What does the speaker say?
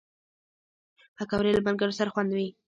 پکورې له ملګرو سره خوند کوي